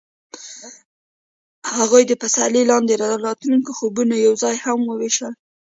هغوی د پسرلی لاندې د راتلونکي خوبونه یوځای هم وویشل.